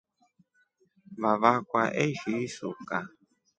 Vavakwa eshi isuka.